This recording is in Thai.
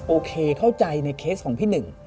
โอเคเข้าใจในเคสของพี่หนึ่ง